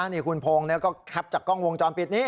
นี่คุณพงศ์ก็แคปจากกล้องวงจรปิดนี้